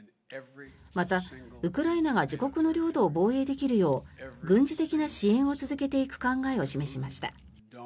また、ウクライナが自国の領土を防衛できるよう軍事的な支援を続けていく考えを示しました。